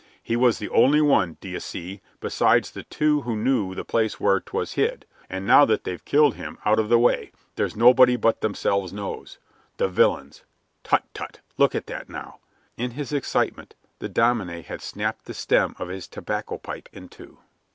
He was the only one, d'ye see, besides they two who knew the place where 'twas hid, and now that they've killed him out of the way, there's nobody but themselves knows. The villains Tut, tut, look at that now!" In his excitement the dominie had snapped the stem of his tobacco pipe in two.